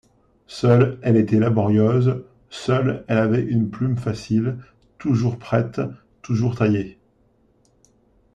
Seule elle était laborieuse, seule avait une plume facile, toujours prête, toujours taillée.